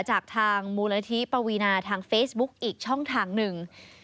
จากทางมูลนิธิปวีนาทางเฟซบุ๊กอีกช่องทางหนึ่ง